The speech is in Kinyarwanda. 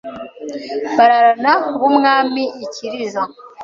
Bararana b'Umwami i Kiriza